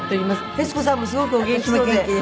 徹子さんもすごくお元気そうで。